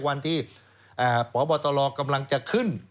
วันที่พบตรกำลังจะขึ้น